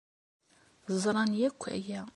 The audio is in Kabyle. Ẓran akk aya.